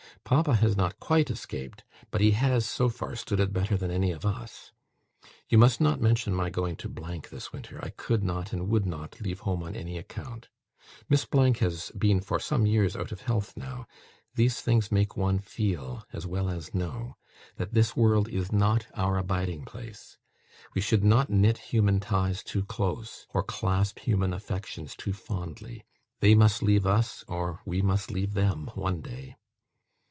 Papa has not quite escaped, but he has so far stood it better than any of us. You must not mention my going to this winter. I could not, and would not, leave home on any account. Miss has been for some years out of health now. These things make one FEEL, as well as KNOW, that this world is not our abiding place. We should not knit human ties too close, or clasp human affections too fondly. They must leave us, or we must leave them, one day.